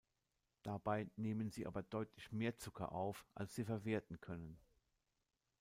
Dabei nehmen sie aber deutlich mehr Zucker auf als sie verwerten können.